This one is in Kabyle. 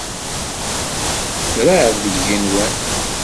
Teṛɛed deg yigenwan.